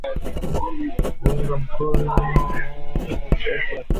kuunga mkono waasi wa M ishirini na tatu